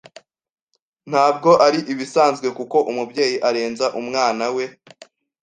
Ntabwo ari ibisanzwe ko umubyeyi arenza umwana we.